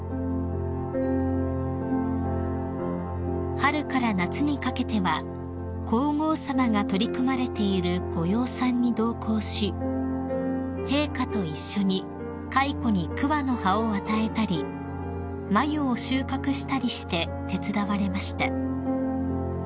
［春から夏にかけては皇后さまが取り組まれているご養蚕に同行し陛下と一緒に蚕に桑の葉を与えたり繭を収穫したりして手伝われました］